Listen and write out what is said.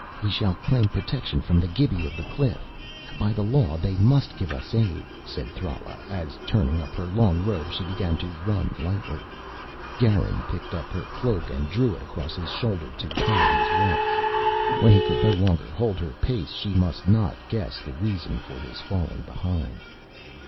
"We shall claim protection from the Gibi of the cliff. By the law they must give us aid," said Thrala, as, turning up her long robe, she began to run lightly. Garin picked up her cloak and drew it across his shoulder to hide his welts. When he could no longer hold her pace she must not guess the reason for his falling behind.